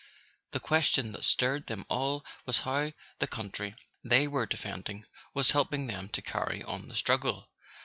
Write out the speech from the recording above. The question that stirred them all was how the country they were defending was helping them to carry on the struggle.